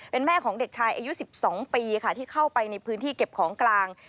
เป็นแม่ของเด็กชายอายุ๑๒ปีค่ะที่เข้าไปในพื้นที่เก็บของกลาง